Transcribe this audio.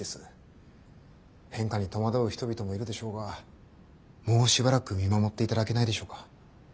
変化に戸惑う人々もいるでしょうがもうしばらく見守っていただけないでしょうか。